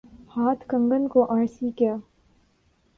ہاتھ کنگن کو آرسی کیا؟